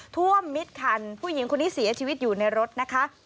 ท่วมมิดคันผู้หญิงคนนี้เสียชีวิตอยู่ในรถนะคะ